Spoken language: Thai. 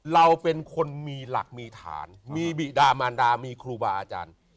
เราเป็นคนมีหลักมีฐานมีบิดามารดามีครูบาอาจารย์